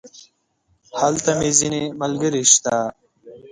هلته مې ځينې ملګري شته.